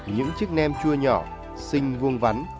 những chiếc nem chua nhỏ xinh vung vắn